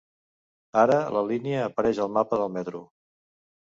Ara la línia apareix al mapa del metro.